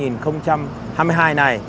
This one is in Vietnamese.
năm hai nghìn hai mươi hai này